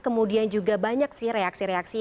kemudian juga banyak sih reaksi reaksi